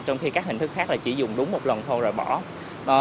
trong khi các hình thức khác là chỉ dùng đúng một lần thôi rồi bỏ